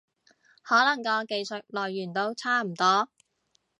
可能個技術來源都差唔多